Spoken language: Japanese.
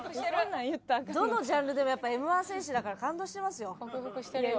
どのジャンルでもやっぱＭ−１戦士だから感動してますよ。